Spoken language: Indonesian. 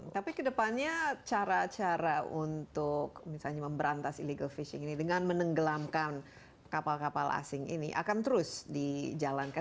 tapi kedepannya cara cara untuk misalnya memberantas illegal fishing ini dengan menenggelamkan kapal kapal asing ini akan terus dijalankan